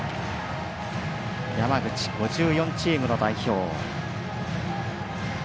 山口、５４チームの代表。